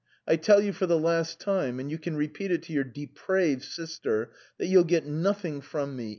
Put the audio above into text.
I tell you for the last time, and you can tell this to your strumpet of a sister, that you will get nothing from me.